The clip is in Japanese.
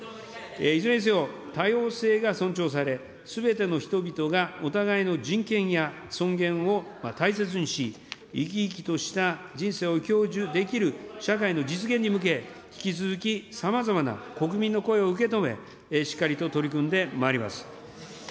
いずれにせよ、多様性が尊重され、すべての人々がお互いの人権や尊厳を大切にし、生き生きとした人生を享受できる社会の実現に向け、引き続きさまざまな国民の声を受け止め、しっかりと取り組んでまいります。